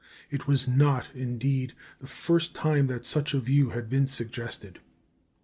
It was not, indeed, the first time that such a view had been suggested.